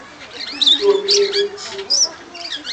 Tomedeci.